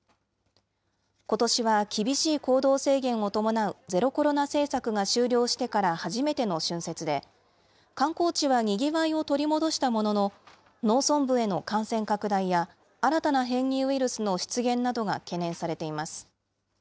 ことしは厳しい行動制限を伴うゼロコロナ政策が終了してから初めての春節で、観光地はにぎわいを取り戻したものの、農村部への感染拡大や新たな変異ウイルスの出現などが懸念されています。